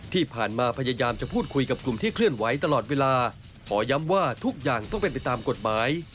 พยายามจะพูดคุยกับกลุ่มที่เคลื่อนไหวตลอดเวลาขอย้ำว่าทุกอย่างต้องเป็นไปตามกฎหมาย